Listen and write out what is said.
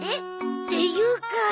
っていうか